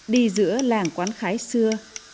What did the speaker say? đi giữa làng quán khái xưa